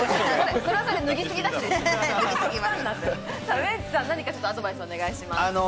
ウエンツさん、何かアドバイスお願いします。